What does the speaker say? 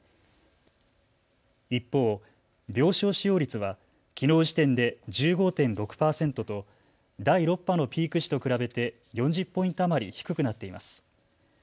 一方、病床使用率はきのう時点で１５．６％と第６波のピーク時と比べて４０ポイント余り低くなっています。